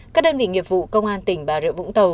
các đơn vị nghiệp vụ công an tỉnh bà rịa vũng tàu